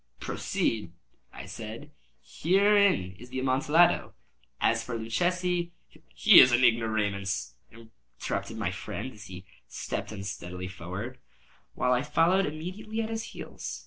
"Proceed," I said; "herein is the Amontillado. As for Luchesi—" "He is an ignoramus," interrupted my friend, as he stepped unsteadily forward, while I followed immediately at his heels.